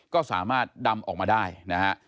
ก็สามารถดำออกมาได้นะฮะ